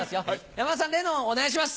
山田さん例の物お願いします。